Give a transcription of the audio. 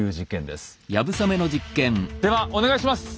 ではお願いします。